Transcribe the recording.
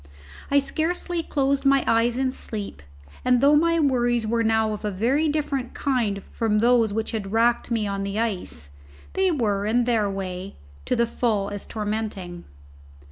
I scarcely closed my eyes in sleep, and though my worries were now of a very different kind from those which had racked me on the ice, they were, in their way, to the full as tormenting.